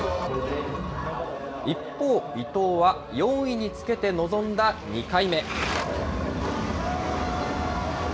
一方、伊藤は４位につけて臨んだ２回目。